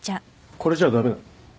これじゃあ駄目なの？